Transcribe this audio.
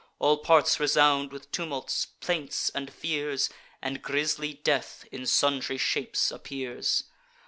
All parts resound with tumults, plaints, and fears; And grisly Death in sundry shapes appears.